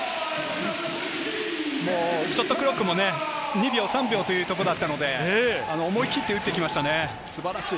ショットクロックも、２３秒というところだったので思い切って打ってきましたね、素晴らしい！